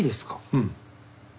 うん。